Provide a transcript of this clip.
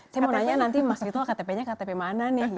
saya mau tanya nanti mas gitu lah ktp nya ktp mana nih